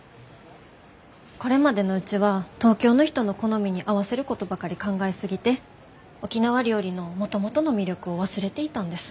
これまでのうちは東京の人の好みに合わせることばかり考え過ぎて沖縄料理のもともとの魅力を忘れていたんです。